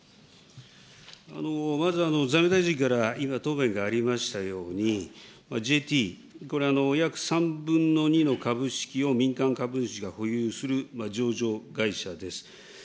まず、財務大臣から今、答弁がありましたように、ＪＴ、これ、約３分の２の株式を民間株主が保有する上場会社です。